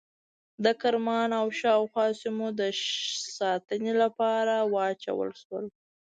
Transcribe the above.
د کرمان او شاوخوا سیمو د ساتنې لپاره واچول شول.